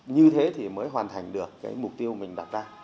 như thế thì mới hoàn thành được cái mục tiêu mình đặt ra